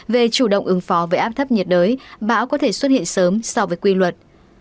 về chủ động ứng phó với áp thấp nhiệt đới bão có thể xuất hiện sớm so với quy luật